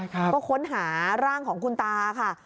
ก็ค้นหาร่างของคุณตาค่ะ